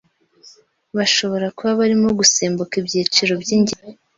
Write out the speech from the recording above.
bashobora kuba barimo gusimbuka ibyiciro by'ingenzi.